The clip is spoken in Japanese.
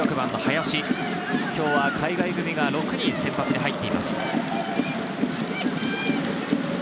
今日は海外組が６人先発で入っています。